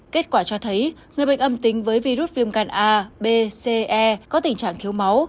kết quả cho thấy người bệnh âm tính với virus viêm gan a b ce có tình trạng thiếu máu